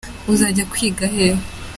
uzajya kwiga hehe?